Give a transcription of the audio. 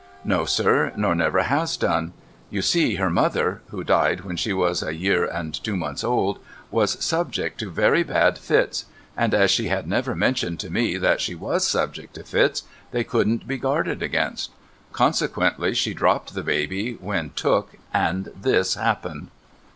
' No, sir, nor never has done. You see, her mother (who died when she was a year and two months old) was subject to very bad fits, and as she had never mentioned to me that she was subject to fits, they couldn't be guarded against. Consequently, she dropped the baby when took, and this happened.'